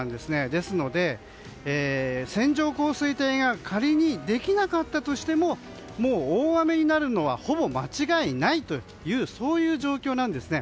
ですので、線状降水帯が仮にできなかったとしても大雨になるのはほぼ間違いないというそういう状況なんです。